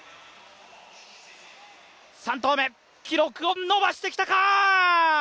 ３投目、記録を伸ばしてきたか。